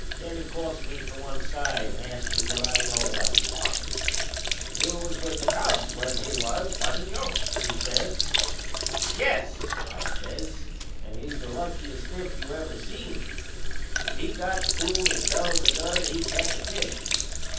Then he calls me to one side and ast me what I knowed about Parker. "You was with the Cubs when he was, wasn't you?" he says. "Yes," I says; "and he's the luckiest stiff you ever seen! If he got stewed and fell in the gutter he'd catch a fish."